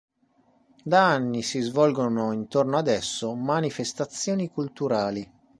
Da anni si svolgono intorno ad esso manifestazioni culturali.